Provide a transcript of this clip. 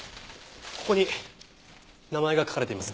ここに名前が書かれています。